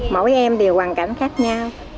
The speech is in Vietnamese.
mỗi em thì hoàn cảnh khác nhau